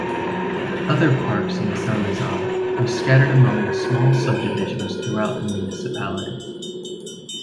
Other parks in Saint-Lazare are scattered among the small subdivisions throughout the municipality.